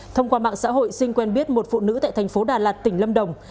thông qua mạng xã hội sinh quen biết một phụ nữ tại thành phố đà lạt tỉnh lâm đồng